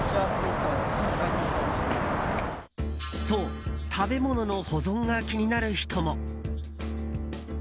と、食べ物の保存が気になる人も。